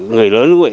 người lớn gặp phải